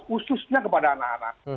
khususnya kepada anak anak